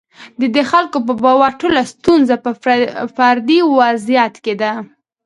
د دې خلکو په باور ټوله ستونزه په فردي وضعیت کې ده.